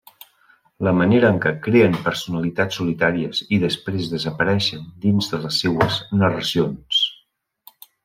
La manera en què creen personalitats solitàries i després desapareixen dins de les seues narracions.